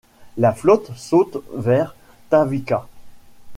La flotte saute vers Tavika.